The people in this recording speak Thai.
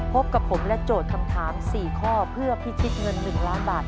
พบกับผมและโจทย์คำถาม๔ข้อเพื่อพิชิตเงิน๑ล้านบาท